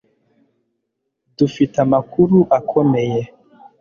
Dufite amakuru akomeye